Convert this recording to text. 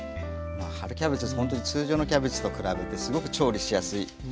春キャベツほんとに通常のキャベツと比べてすごく調理しやすい。